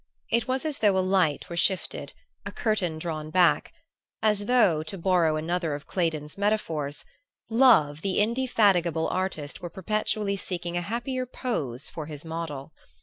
It was as though a light were shifted, a curtain drawn back, as though, to borrow another of Claydon's metaphors, Love the indefatigable artist were perpetually seeking a happier "pose" for his model.